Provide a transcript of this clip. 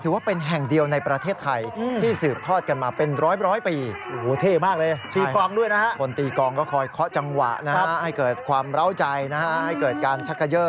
ถือว่าเป็นแห่งเดียวในประเทศไทย